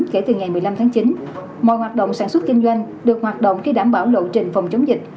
kể từ ngày một mươi năm tháng chín mọi hoạt động sản xuất kinh doanh được hoạt động khi đảm bảo lộ trình phòng chống dịch